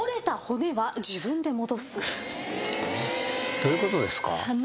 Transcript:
どういうことですか？